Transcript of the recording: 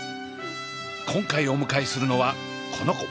今回お迎えするのはこの子。